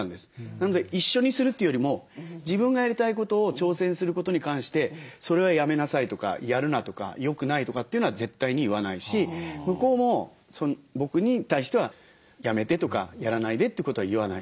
なので一緒にするというよりも自分がやりたいことを挑戦することに関して「それはやめなさい」とか「やるな」とか「よくない」とかっていうのは絶対に言わないし向こうも僕に対しては「やめて」とか「やらないで」ということは言わない。